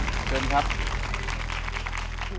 ดูแล้ว